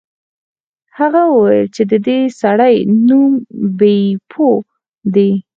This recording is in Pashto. هغه وویل چې د دې سړي نوم بیپو دی.